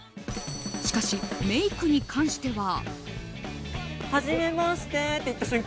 しかし、メイクに関しては。